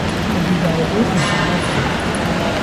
به دیدار او مشرف شدیم